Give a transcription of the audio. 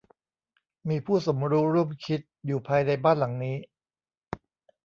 มีผู้สมรู้ร่วมคิดอยู่ภายในบ้านหลังนี้